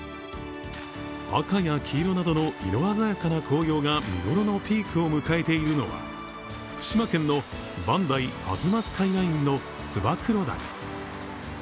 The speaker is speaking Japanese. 赤や黄色などの色鮮やかな紅葉が見頃のピークを迎えているのは福島県の磐梯吾妻スカイラインのつばくろ谷。